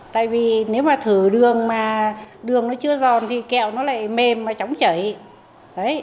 tại vì nếu mà thử đường mà đường nó chưa giòn thì kẹo nó lại mềm và chóng chảy